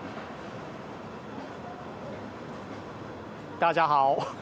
ダージャーハオ。